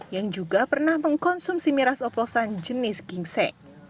yang juga pernah mengkonsumsi miras oplosan jenis gingsek